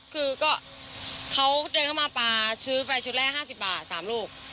คือก็เขาเดินเข้ามาปลาชื้อแฟนชุดแรกห้าสิบบาทสามลูก